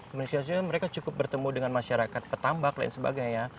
aminasinya mereka cukup bertemu dengan masyarakat petambak lain sebagainya